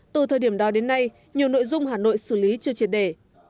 từ thời điểm đó đến nay nhiều nội dung hà nội xử lý chưa triệt để